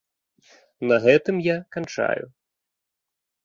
На гэтым я канчаю.